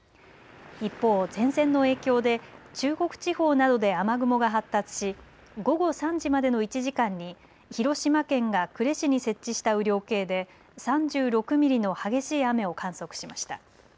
一方、前線の影響で中国地方などで雨雲が発達し午後３時までの１時間に広島県が呉市に設置した雨量計で３６ミリの激しい雨を観測しました。